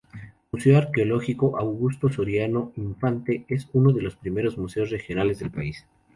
Museo arqueológico Augusto Soriano Infante: Es uno de los primeros museos regionales del país.